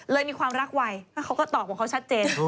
เลิศมีความรักไวก็ตอกบอกเขาชัดเจน